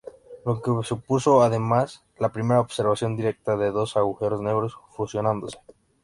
Lo que supuso, además, la primera observación directa de dos agujeros negros fusionándose.